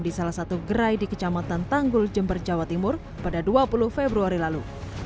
di salah satu gerai di kecamatan tanggul jember jawa timur pada dua puluh februari lalu